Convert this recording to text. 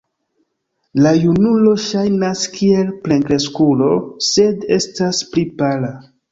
La junulo ŝajnas kiel plenkreskulo, sed estas pli pala.